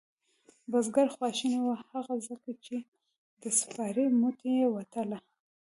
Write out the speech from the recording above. بزگر خواشینی و هغه ځکه چې د سپارې موټۍ یې وتله.